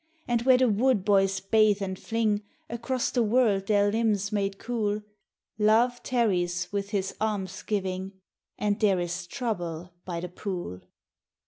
And where the wood boys bathe and fling Across the world their limbs made cool, Love tarries with his alms giving, And there is trouble by the pool.